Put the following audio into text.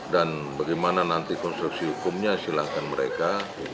dan bagaimana nanti konstruksi hukumnya silahkan mereka